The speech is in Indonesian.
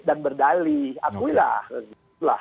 dan berdali akulah